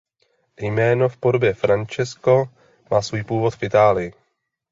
Jméno v podobě "Francesco" má svůj původ v Itálii.